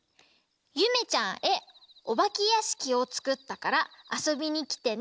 「ゆめちゃんへおばけやしきをつくったからあそびにきてね。